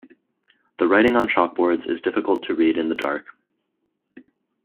The writing on chalkboards is difficult to read in the dark.